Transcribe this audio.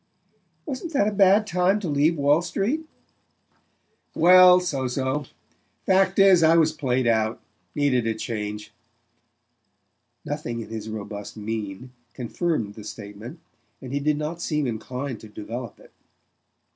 "Wasn't that a bad time to leave Wall Street?" "Well, so so. Fact is, I was played out: needed a change." Nothing in his robust mien confirmed the statement, and he did not seem inclined to develop it.